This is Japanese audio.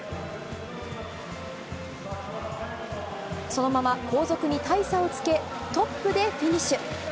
そのまま後続に大差をつけ、トップでフィニッシュ。